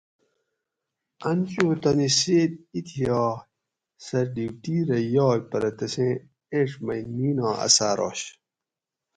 ان چو تانی سیت ایتھیائ سہ ڈیوٹی رہ یائ پرہ تسیں ایڄ مئ نیناں اثار آش